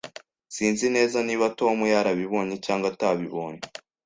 Sinzi neza niba Tom yarabibonye cyangwa atabibonye.